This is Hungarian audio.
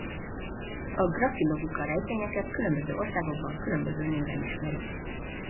A grafilogika-rejtvényeket különböző országokban különböző néven ismerik.